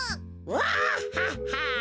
ワッハッハ。